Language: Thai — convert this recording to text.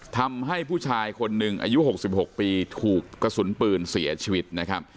ทำให้ผู้ชายคนหนึ่งอายุ๖๖ปีถูกกระสุนปืนเสียชีวิตนะครับ